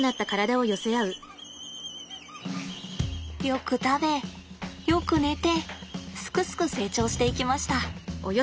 よく食べよく寝てすくすく成長していきました。